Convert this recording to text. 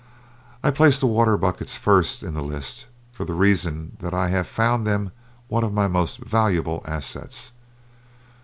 I place the water buckets first in the list for the reason that I have found them one of my most valuable assets.